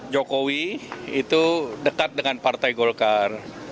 jokowi itu dekat dengan partai golkar